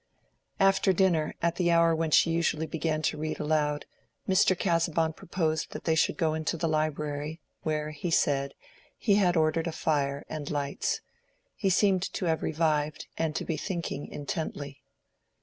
After dinner, at the hour when she usually began to read aloud, Mr. Casaubon proposed that they should go into the library, where, he said, he had ordered a fire and lights. He seemed to have revived, and to be thinking intently.